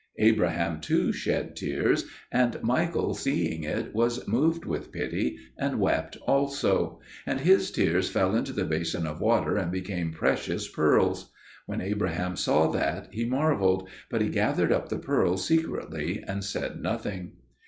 Abraham too shed tears, and Michael seeing it, was moved with pity, and wept also; and his tears fell into the basin of water and became precious pearls. When Abraham saw that, he marvelled; but he gathered up the pearls secretly and said nothing.